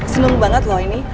seneng banget loh ini